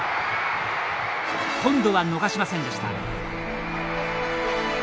今度は逃しませんでした。